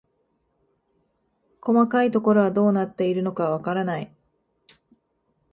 細かいところはどうなっているのかわからない